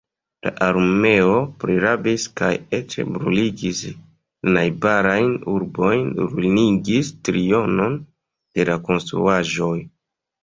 La armeo prirabis kaj eĉ bruligis la najbarajn urbojn, ruinigis trionon de la konstruaĵoj.